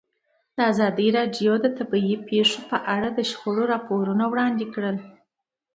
ازادي راډیو د طبیعي پېښې په اړه د شخړو راپورونه وړاندې کړي.